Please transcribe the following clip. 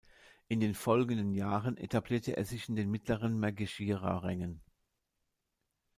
In den folgenden Jahren etablierte er sich in den mittleren Maegashira-Rängen.